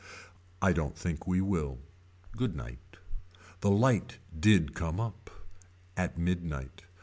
I don't think we will. Good night. The light did come up. At midnight.